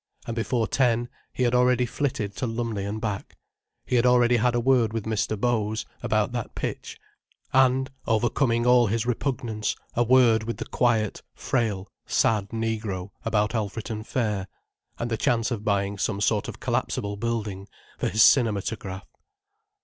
And before ten he had already flitted to Lumley and back, he had already had a word with Mr. Bows, about that pitch, and, overcoming all his repugnance, a word with the quiet, frail, sad negro, about Alfreton fair, and the chance of buying some sort of collapsible building, for his cinematograph.